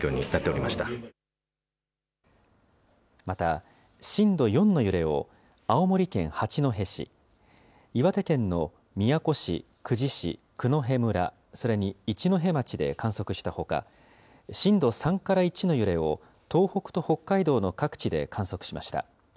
また、震度４の揺れを、青森県八戸市、岩手県の宮古市、久慈市、九戸村、それに一戸町で観測したほか、震度３から１の揺れを、東北と北海道の各地で観測しました。